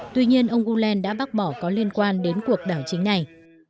tuy nhiên ông ullen đã bác bỏ có liên quan đến cuộc đảo chính này